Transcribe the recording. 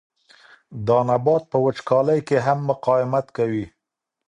دا نبات په وچکالۍ کې هم مقاومت کوي.